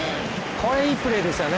これ、いいプレーでしたね。